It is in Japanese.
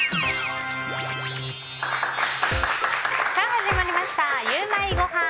始まりました、ゆウマいごはん。